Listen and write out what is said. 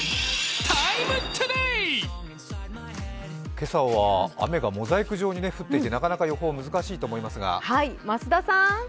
今朝は雨がモザイク状に降っていてなかなか予報が難しいと思いますが。